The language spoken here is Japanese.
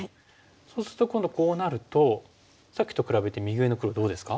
そうすると今度こうなるとさっきと比べて右上の黒どうですか？